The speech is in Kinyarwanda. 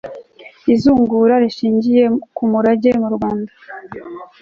izungura rishingiye ku murage mu rwanda